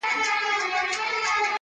خلک عادي ژوند ته ستنېږي ورو,